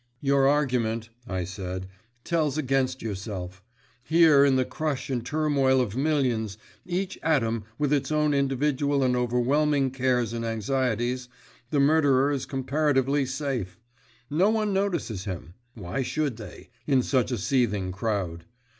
"Your argument," I said, "tells against yourself. Here, in the crush and turmoil of millions, each atom with its own individual and overwhelming cares and anxieties, the murderer is comparatively safe. No one notices him. Why should they, in such a seething crowd?